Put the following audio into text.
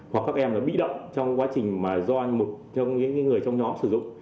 hoặc các em bị động trong quá trình mà do những người trong nhóm sử dụng